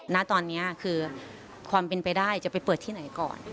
ณตอนนี้คือความเป็นไปได้จะไปเปิดที่ไหนก่อน